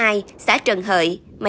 mấy ngày trồng rau màu